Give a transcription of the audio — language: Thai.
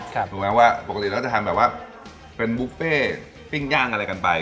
ถูกไหมว่าปกติเราจะทำแบบว่าเป็นบุฟเฟ่ปิ้งย่างอะไรกันไป